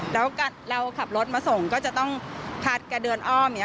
แล้วเราขับรถมาส่งก็จะต้องคัดแกเดินอ้อม